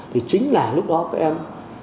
thì chính là lúc đó các em